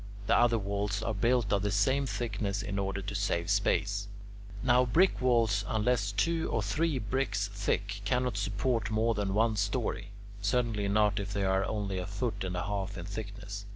The other walls are built of the same thickness in order to save space. Now brick walls, unless two or three bricks thick, cannot support more than one story; certainly not if they are only a foot and a half in thickness.